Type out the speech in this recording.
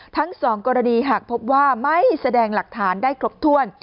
ทั้ง๒กรณีหากพบว่าไม่แสดงหลักฐานได้ครบถ้วน